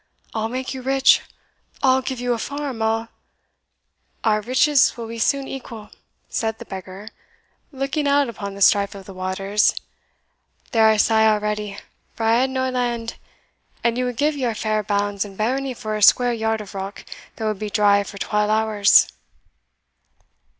I'll make you rich I'll give you a farm I'll" "Our riches will be soon equal," said the beggar, looking out upon the strife of the waters "they are sae already; for I hae nae land, and you would give your fair bounds and barony for a square yard of rock that would be dry for twal hours."